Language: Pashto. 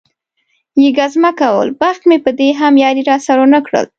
یې ګزمه کول، بخت مې په دې هم یاري را سره وکړل.